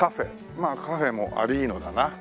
まあカフェもありーのだな。